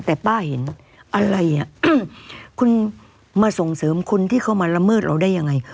แต่ป้าเห็นอะไรอ่ะคุณมาส่งเสริมคนที่เข้ามาละเมิดเราได้ยังไง